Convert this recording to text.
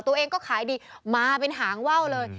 ตัวเองก็ขายดีมาเป็นหางว่าวเลย